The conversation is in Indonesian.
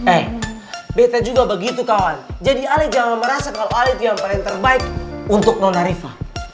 eh betta juga begitu kawan jadi alia jangan merasa kalo alia itu yang paling terbaik untuk nona rifa